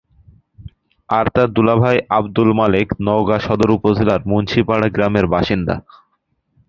আর তাঁর দুলাভাই আবদুল মালেক নওগাঁ সদর উপজেলার মুন্সিপাড়া গ্রামের বাসিন্দা।